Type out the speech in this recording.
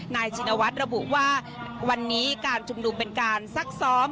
ชินวัฒน์ระบุว่าวันนี้การชุมนุมเป็นการซักซ้อม